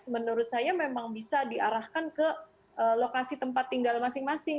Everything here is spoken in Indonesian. menurut saya memang bisa diarahkan ke lokasi tempat tinggal masing masing